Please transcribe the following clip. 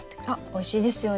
おいしいですよね。